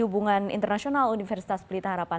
hubungan internasional universitas pelita harapan